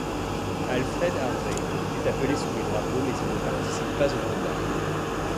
Alfred Harvey est appelé sous les drapeaux mais il ne participe pas aux combats.